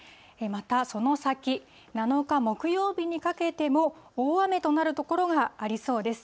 また、その先、７日木曜日にかけても、大雨となる所がありそうです。